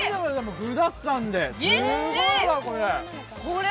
具だくさんですごいわ、これ。